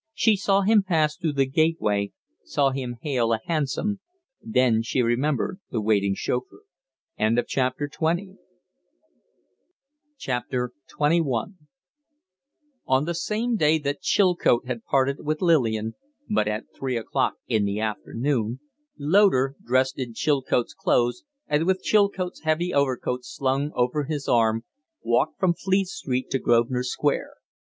She saw him pass through the gateway, saw him hail a hansom, then she remembered the waiting chauffeur. XXI On the same day that Chilcote had parted with Lillian but at three o'clock in the afternoon Loder, dressed in Chilcote's clothes and with Chilcote's heavy overcoat slung over his arm, walked from Fleet Street to Grosvenor Square.